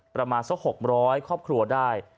ประมาณซะหกร้อยครอบครัวได้